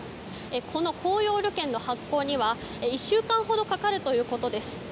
この公用旅券の発行には１週間ほどかかるということです。